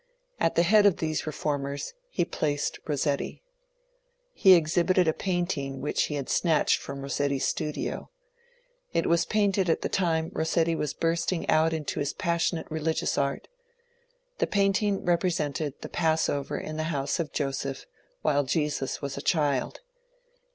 At the head of these reformers he placed Rossetti. He exhibited a painting which he had snatched from Rossetti's studio. It was painted at the time Rossetti was bursting out into his passionate religious art. The painting represented the Pass over in the house of Joseph while Jesus was a child.